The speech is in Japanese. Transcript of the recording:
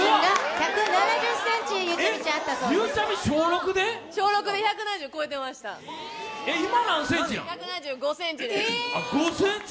１７５ｃｍです。